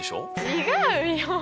違うよ。